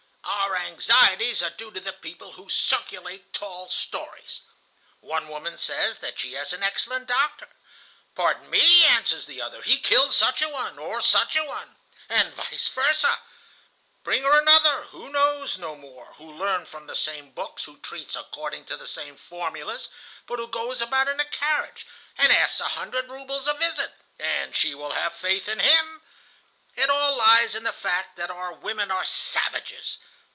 Our anxieties are due to the people who circulate tall stories. One woman says that she has an excellent doctor. 'Pardon me,' answers the other, 'he killed such a one,' or such a one. And vice versa. Bring her another, who knows no more, who learned from the same books, who treats according to the same formulas, but who goes about in a carriage, and asks a hundred roubles a visit, and she will have faith in him. "It all lies in the fact that our women are savages.